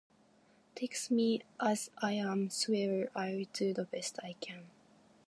Take me as I am swear I'll do the best I can